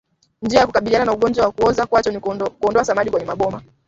Njia ya kukabiliana na ugonjwa wa kuoza kwato ni kuondoa samadi kwenye maboma